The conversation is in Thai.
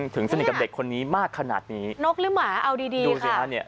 ถึงสนิทกับเด็กคนนี้มากขนาดนี้นกหรือหมาเอาดีดีดูสิฮะเนี่ย